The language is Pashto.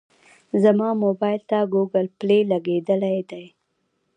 زما موبایل ته ګوګل پلی لګېدلی دی.